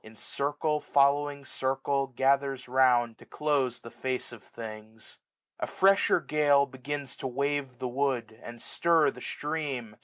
In circle following circle, gathers round. To close the face of things. A fresher gale Begins to wave the wood, and stir the stream.